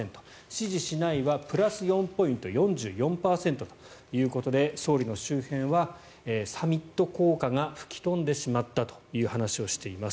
支持しないはプラス４ポイント４４％ということで総理の周辺は、サミット効果が吹き飛んでしまったという話をしています。